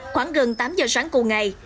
khoảng gần tám giờ sáng cùng ngày